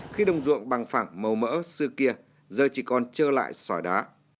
khi đồng ruộng bằng phẳng màu mỡ xưa kia giờ chỉ còn trơ lại sỏi đá